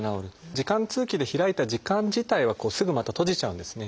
耳管通気で開いた耳管自体はすぐまた閉じちゃうんですね。